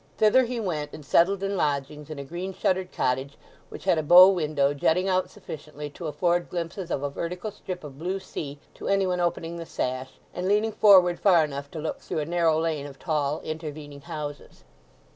Thither he went, and settled in lodgings in a green shuttered cottage which had a bow window, jutting out sufficiently to afford glimpses of a vertical strip of blue sea to any one opening the sash, and leaning forward far enough to look through a narrow lane of tall intervening houses.